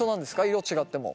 色違っても。